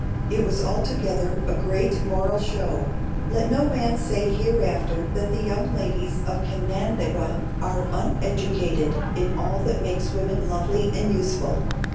It was altogether a "great moral show." Let no man say hereafter that the young ladies of Canandaigua are uneducated in all that makes women lovely and useful.